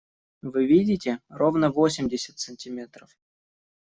Вы видите? Ровно восемьдесят сантиметров!